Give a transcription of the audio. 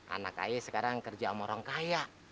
anak ayah sekarang kerja sama orang kaya